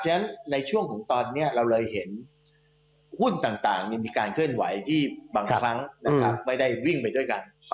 ฉะนั้นในช่วงของตอนนี้เราเลยเห็นหุ้นต่างมีการเคลื่อนไหวที่บางครั้งไม่ได้วิ่งไปด้วยกัน